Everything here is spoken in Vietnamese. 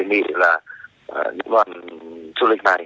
nhưng mà đề nghị là những loài du lịch này